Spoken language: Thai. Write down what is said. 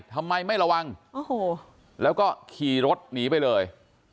ทำไมไม่ระวังโอ้โหแล้วก็ขี่รถหนีไปเลย